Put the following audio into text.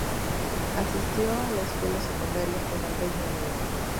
Asistió a la escuela secundaria en el Reino Unido.